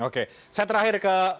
oke saya terakhir ke